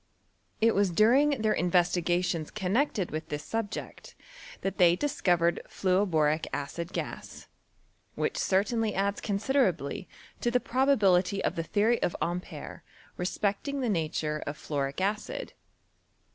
It was during their investigations connected with this sub ject, that they di&co\ ered Jluoboric acid gas, which certainly adds considerably to the probability of the theory of Ampere respecting the nature of fluoric acid.